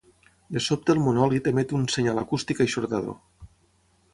De sobte el monòlit emet un senyal acústic eixordador.